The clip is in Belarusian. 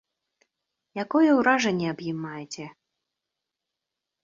Якое ўражанне аб ім маеце?